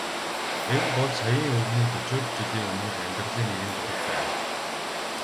Энэ бол саяын өвгөний дөчөөд жилийн өмнөх амьдралын нэгэн зураг байв.